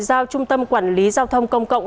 giao trung tâm quản lý giao thông công cộng